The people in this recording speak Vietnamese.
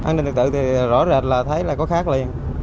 an ninh trật tự thì rõ rệt là thấy là có khác liền